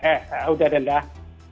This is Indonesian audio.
eh udah rendah